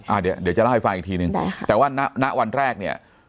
อ่าเดี๋ยวเดี๋ยวจะเล่าให้ฟังอีกทีหนึ่งใช่ค่ะแต่ว่าณวันแรกเนี่ย